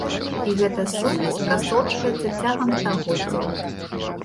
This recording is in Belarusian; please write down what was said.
І гэта сувязь прасочваецца цягам стагоддзяў.